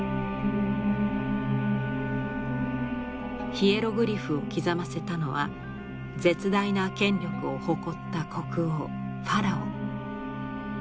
ヒエログリフを刻ませたのは絶大な権力を誇った国王ファラオ。